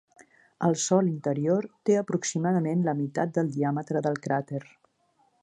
El sòl interior té aproximadament la meitat del diàmetre del cràter.